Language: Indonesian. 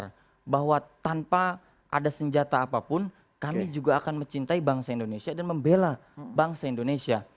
karena bahwa tanpa ada senjata apapun kami juga akan mencintai bangsa indonesia dan membela bangsa indonesia